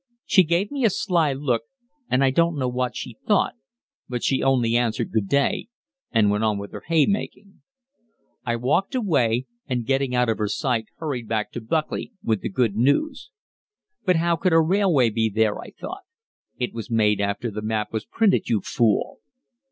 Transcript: She gave me a sly look, and I don't know what she thought, but she only answered "Good day," and went on with her haymaking. I walked away, and getting out of her sight hurried back to Buckley with the good news. "But how could a railway be there?" I thought. "It was made after the map was printed, you fool."